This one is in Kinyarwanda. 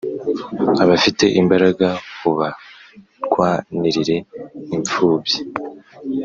Abafite imbaraga ubarwanirire inpfubyi